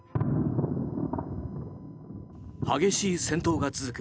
激しい戦闘が続く